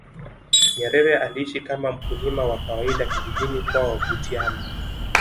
nyerere aliishi kama mkulima wa kawaida kijijini kwao butiama